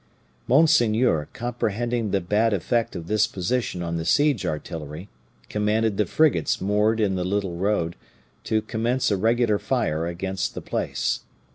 "Monseigneur, comprehending the bad effect of this position on the siege artillery, commanded the frigates moored in the little road to commence a regular fire against the place.